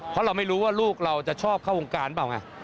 เพราะเราไม่รู้ว่าลูกเราจะชอบเข้าวงการเปล่าไง